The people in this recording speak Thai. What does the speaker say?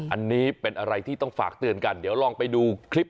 อันนี้เป็นอะไรที่ต้องฝากเตือนกันเดี๋ยวลองไปดูคลิป